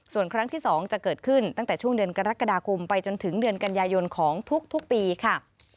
ส่วนครั้งที่๒จะเกิดขึ้นตั้งแต่ช่วงเดือนกรกฎาคมไปจนถึงเดือนกันยายนของทุกปีค่ะ